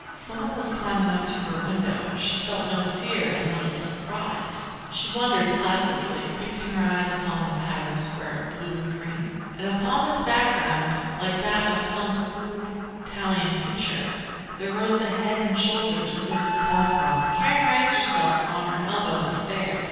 Someone was climbing up to her window. She felt no fear and little surprise. She wondered, placidly, fixing her eyes upon the patterned square of blue and green. And upon this background, like that of some old Italian picture, there rose the head and shoulders of Mrs. Talcott. Karen raised herself on her elbow and stared.